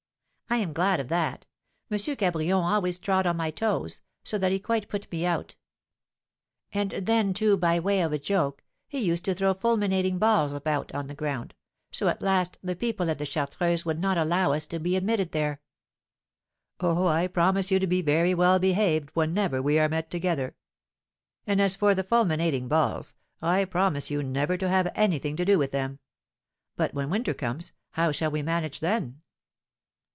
"I am glad of that. M. Cabrion always trod on my toes, so that he quite put me out; and then, too, by way of a joke, he used to throw fulminating balls about on the ground; so at last the people at the Chartreuse would not allow us to be admitted there." "Oh, I promise you to be very well behaved whenever we are met together; and as for the fulminating balls, I promise you never to have anything to do with them; but when winter comes, how shall we manage then?"